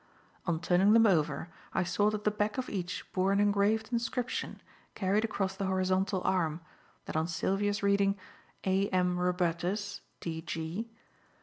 On turning them over, I saw that the back of each bore an engraved inscription carried across the horizontal arm, that on Sylvia's reading: "A. M. ROBERTUS, D.